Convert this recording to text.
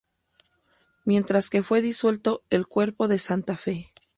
Mientras que fue disuelto el cuerpo de Santa Fe.